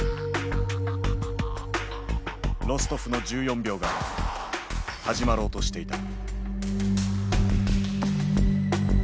ロストフの１４秒が始まろうとしていた。